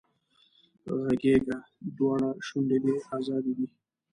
غږېږه دواړه شونډې دې ازادې دي